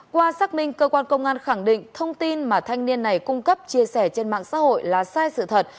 qua xác minh cơ quan công an khẳng định thông tin mà thanh niên này cung cấp chia sẻ trên mạng xã hội là sai sự thật